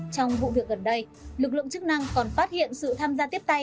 trong vụ việc gần đây lực lượng chức năng còn phát hiện sự tham gia tiếp tay